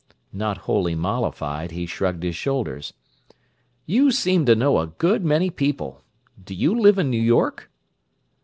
Not wholly mollified, he shrugged his shoulders. "You seem to know a good many people! Do you live in New York?"